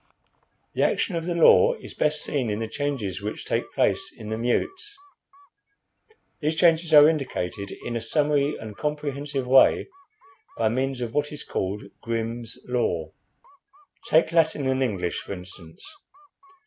The action of the law is best seen in the changes which take place in the mutes. These changes are indicated in a summary and comprehensive way by means of what is called 'Grimm's Law.' Take Latin and English, for instance.